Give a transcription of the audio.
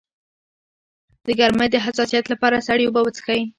د ګرمۍ د حساسیت لپاره سړې اوبه وڅښئ